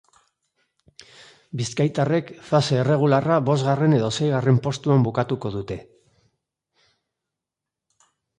Bizkaitarrek fase erregularra bosgarren edo seigarren postuan bukatuko dute.